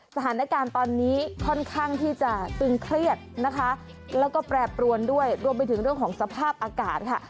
สถานการณ์ตอนนี้ค่อนข้างที่จะตึงเครียดนะคะแล้วก็แปรปรวนด้วยรวมไปถึงเรื่องของสภาพอากาศค่ะ